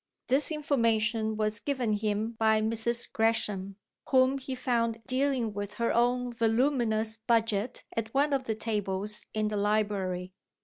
This information was given him by Mrs. Gresham, whom he found dealing with her own voluminous budget at one of the tables in the library.